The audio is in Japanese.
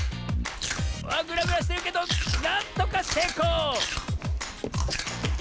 あっグラグラしてるけどなんとかせいこう！